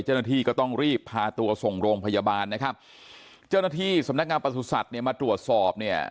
เจ้าหน้าที่ก็ต้องรีบพาตัวส่งโรงพยาบาลนะครับเจ้าหน้าที่สำนักงานประสุทธิ์เนี่ยมาตรวจสอบเนี่ย